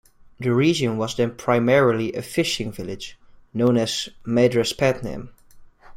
The region was then primarily a fishing village known as "Madraspatnam".